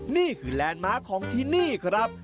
นี่คือแลนด์มาของที่นี่ครับ